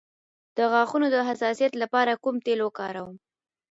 د غاښونو د حساسیت لپاره کوم تېل وکاروم؟